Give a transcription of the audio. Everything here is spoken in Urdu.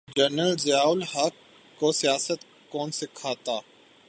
جنرل ضیاء الحق کو سیاست کون سکھاتا۔